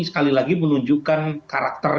sekali lagi menunjukkan karakter